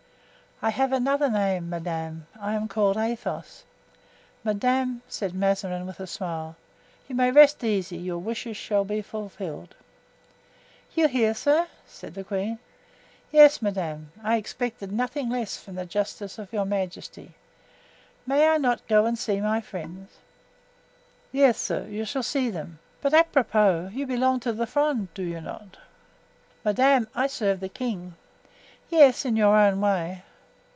"I have another name, madame—I am called Athos." "Madame," said Mazarin, with a smile, "you may rest easy; your wishes shall be fulfilled." "You hear, sir?" said the queen. "Yes, madame, I expected nothing less from the justice of your majesty. May I not go and see my friends?" "Yes, sir, you shall see them. But, apropos, you belong to the Fronde, do you not?" "Madame, I serve the king." "Yes, in your own way."